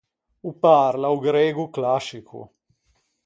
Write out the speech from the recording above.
O parla o grego clascico.